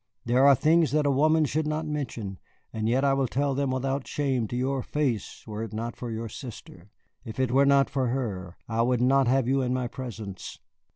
There are things that a woman should not mention, and yet I would tell them without shame to your face were it not for your sister. If it were not for her, I would not have you in my presence.